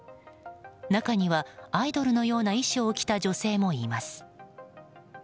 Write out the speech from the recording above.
中には、アイドルのような衣装を着た女性もいます。